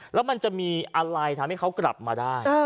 แล้วมันจะมีอะไรทำให้เขากลับมาได้